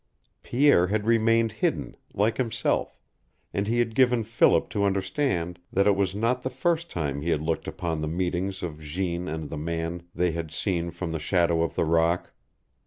Pierre had remained hidden, like himself, and he had given Philip to understand that it was not the first time he had looked upon the meetings of Jeanne and the man they had seen from the shadow of the rock.